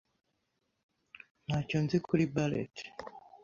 Ntacyo nzi kuri ballet.